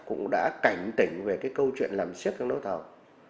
cũng đã cảnh tỉnh về cái câu chuyện làm siếc trong đấu thầu